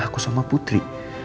aku sama putri